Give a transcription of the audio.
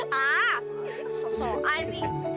hah sosoan nih